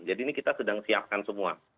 jadi ini kita sedang siapkan semua